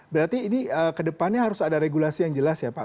berarti ini kedepannya harus ada regulasi yang jelas ya pak